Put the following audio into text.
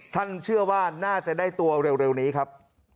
ท่านเชื่อว่าน่าจะได้ตัวเร็วนี้ครับ